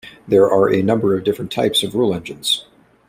There are a number of different types of rule engines.